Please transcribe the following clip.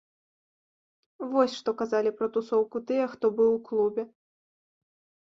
Вось, што казалі пра тусоўку тыя, хто быў у клубе.